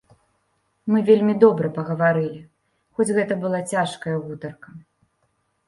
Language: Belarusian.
Мы вельмі добра пагаварылі, хоць гэта была цяжкая гутарка.